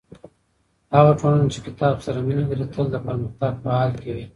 هغه ټولنه چې کتاب سره مینه لري تل د پرمختګ په حال کې وي.